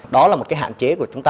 đó là một hạn chế của chúng ta